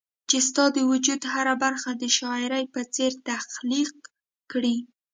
چي ستا د وجود هره برخه د شاعري په څير تخليق کړي